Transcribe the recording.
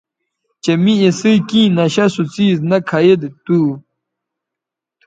چہء می اِسئ کیں نشہ سو څیز نہ کھہ ید تھو